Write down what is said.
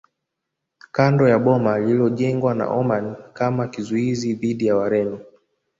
Kando ya boma lililojengwa na Omani kama kizuizi dhidi ya Wareno